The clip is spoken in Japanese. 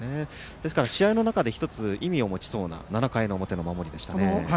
ですから試合の中で１つ意味を持ちそうな７回の表の守りでしたね。